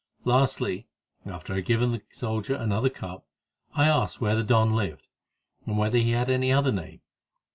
Lastly, after I had given the soldier another cup, I asked where the don lived, and whether he had any other name.